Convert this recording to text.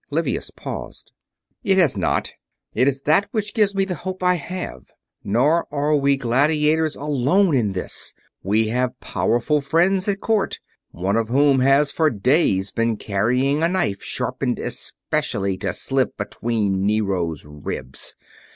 Livius paused. "It has not. It is that which gives me the hope I have. Nor are we gladiators alone in this. We have powerful friends at court; one of whom has for days been carrying a knife sharpened especially to slip between Nero's ribs.